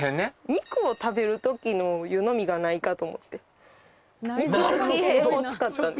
肉を食べる時の湯呑みがないかと思ってにくづき偏を使ったんです